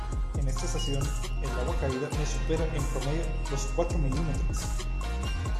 En esta estación, el agua caída no supera en promedio los cuatro mm.